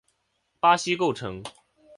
巴西构成。